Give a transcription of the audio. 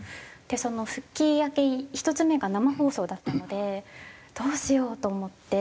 で復帰明け１つ目が生放送だったのでどうしよう？と思って。